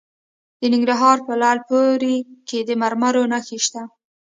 د ننګرهار په لعل پورې کې د مرمرو نښې شته.